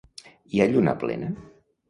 Hi ha lluna plena?